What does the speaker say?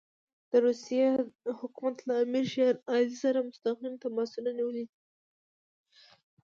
د روسیې حکومت له امیر شېر علي سره مستقیم تماسونه نیولي دي.